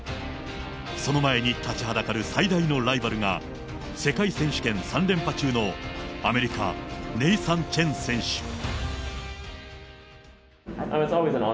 その前に立ちはだかる最大のライバルが、世界選手権３連覇中のアメリカ、ネイサン・チェン選手。